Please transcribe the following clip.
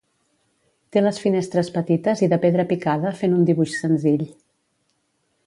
Té les finestres petites i de pedra picada fent un dibuix senzill.